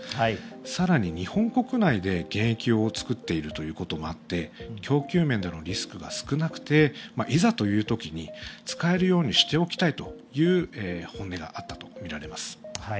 更に、日本国内で原液を作っているということもあって供給面でのリスクが少なくていざという時に使えるようにしておきたいという本音があったとみられます。